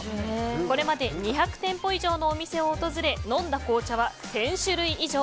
これまで２００店舗以上のお店を訪れ飲んだ紅茶は１０００種類以上。